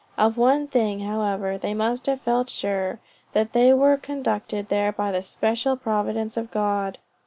Of one thing, however, they must have felt sure, that they were conducted there by the special providence of God.